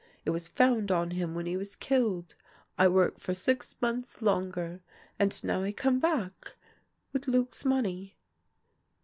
It was found on him when he was killed. I work for six months longer, and now I come back — with Luc's money."